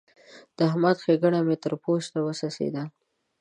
د احمد ښېګڼه مې تر پوست وڅڅېده.